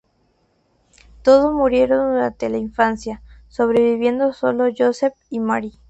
Todos murieron durante la infancia, sobreviviendo sólo Joseph y Mary.